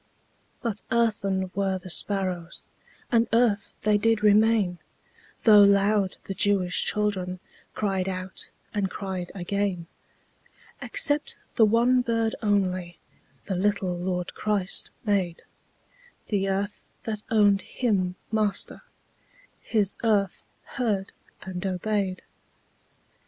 But earthen were the sparrows, And earth they did remain, Though loud the Jewish children Cried out, and cried again. Except the one bird only The little Lord Christ made; The earth that owned Him Master, His earth heard and obeyed.